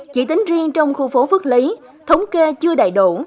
chỉ tính riêng trong khu phố phước lý thống kê chưa đầy đủ